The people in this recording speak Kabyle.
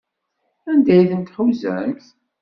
Anda ay tent-tḥuzamt?